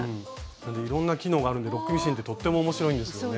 いろんな機能があるのでロックミシンってとっても面白いんですよね。